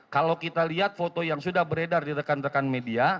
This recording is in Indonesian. kalau kita lihat foto yang sudah beredar di rekan rekan media